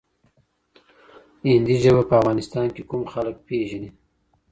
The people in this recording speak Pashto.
هندي ژبه په افغانستان کي کوم خلګ پېژني؟